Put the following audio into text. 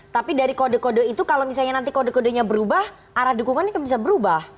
tapi dari kode kode itu kalau misalnya nanti kode kodenya berubah arah dukungannya bisa berubah